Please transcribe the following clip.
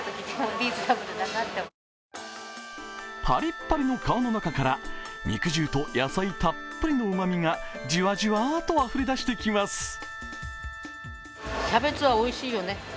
ぱりっぱりの皮の中から肉汁と野菜たっぷりのうまみがジュワジュワーっとあふれ出してきます。